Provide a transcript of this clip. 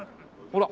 ほら。